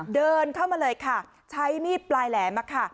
เดินเข้ามาเลยค่ะใช้มีดปลายแหลมค่ะ